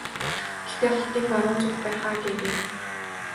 Гэхдээ хотын баруун зүгт байх аа гээрэй.